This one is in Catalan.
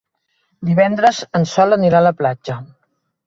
Divendres en Sol anirà a la platja.